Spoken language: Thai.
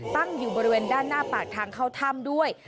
ตั้งอยู่บริเวณด้านหน้าปากทางเข้าถ้ำด้วย